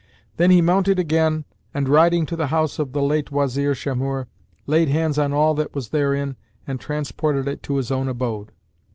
Then he mounted again and, riding to the house of the late Wazir Shamhur, laid hands on all that was therein and transported it to his own abode.